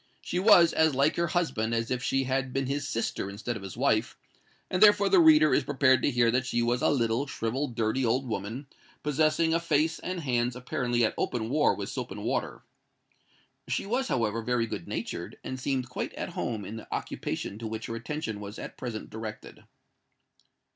She was as like her husband as if she had been his sister instead of his wife; and therefore the reader is prepared to hear that she was a little, shrivelled, dirty old woman, possessing a face and hands apparently at open war with soap and water. She was, however, very good natured, and seemed quite at home in the occupation to which her attention was at present directed.